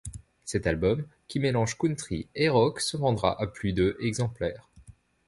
Cet album qui mélange country et rock se vendra à plus de exemplaires.